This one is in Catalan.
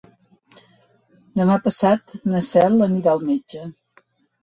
Demà passat na Cel anirà al metge.